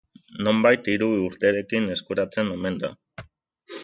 Nonbait hiru urterekin eskuratzen omen da.